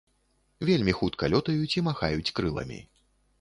Вельмі хутка лётаюць і махаюць крыламі.